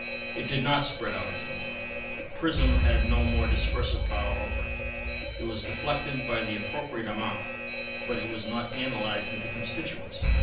It did not spread out any more: a prism had no more dispersive power over it; it was deflected by the appropriate amount, but it was not analysed into constituents.